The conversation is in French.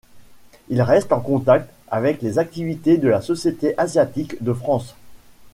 Il reste en contact avec les activités de la Société asiatique de France.